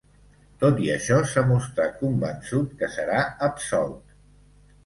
Tot i això, s’ha mostrat convençut que serà ‘absolt’.